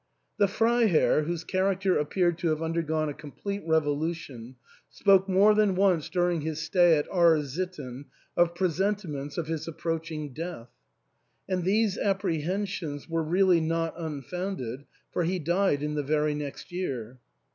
The Freiherr, whose character appeared to have un dergone a complete revolution, spoke more than once during his stay at R — sitten of presentiments of his approaching death. And these apprehensions were really not unfounded, for he died in the very next year.